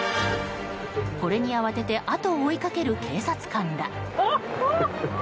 これに慌てて後を追いかける警察官ら。